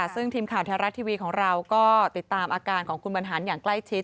ซึ่งทีมข่าวแท้รัฐทีวีของเราก็ติดตามอาการของคุณบรรหารอย่างใกล้ชิด